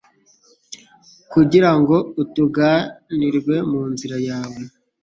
kugira ngo utunganirwe mu nzira yawe